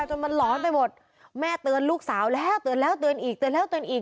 จนมันหลอนไปหมดแม่เตือนลูกสาวแล้วเตือนแล้วเตือนอีกเตือนแล้วเตือนอีก